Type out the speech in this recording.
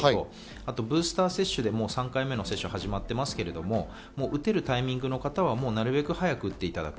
あとブースター接種でも３回目の接種が始まっていますけど、打てるタイミングの方はなるべく早く打っていただく。